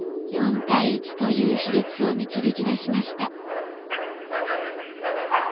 ４対１という比率を導き出しました。